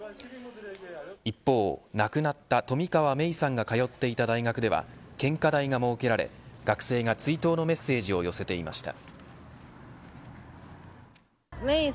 一方、亡くなった冨川芽生さんが通っていた大学では献花台が設けられ、学生が追悼のメッセージを寄せていました。